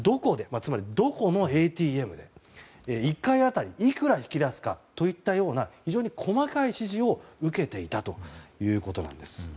つまり、どこのＡＴＭで１回当たりいくら引き出すかといったような非常に細かい指示を受けていたということなんです。